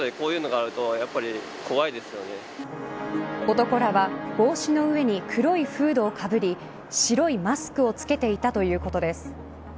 男らは帽子の上に黒いフードをかぶり白いマスクを着けていたということです。